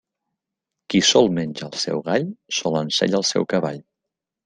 Qui sol menja el seu gall, sol ensella el seu cavall.